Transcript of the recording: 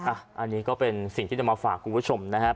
อันนี้ก็เป็นสิ่งที่นำมาฝากคุณผู้ชมนะครับ